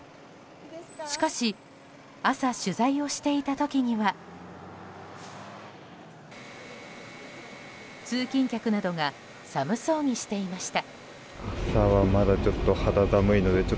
しかし朝、取材をしていた時には通勤客などが寒そうにしていました。